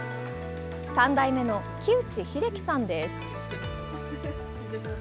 ３代目の木内秀樹さんです。